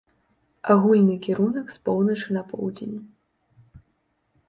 Агульны кірунак з поўначы на поўдзень.